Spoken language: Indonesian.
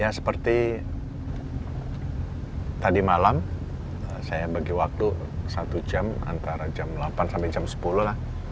ya seperti tadi malam saya bagi waktu satu jam antara jam delapan sampai jam sepuluh lah